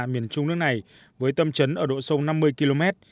miền trung nước này với tâm trấn ở độ sâu năm mươi km